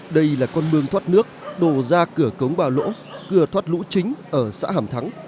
đây là con mương thoát nước đổ ra cửa cống bà lỗ cửa thoát lũ chính ở xã hàm thắng